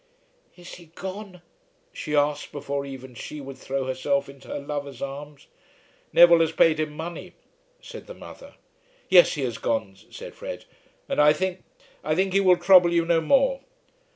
"Is he gone?" she asked before even she would throw herself into her lover's arms. "Neville has paid him money," said the mother. "Yes, he has gone," said Fred; "and I think, I think that he will trouble you no more."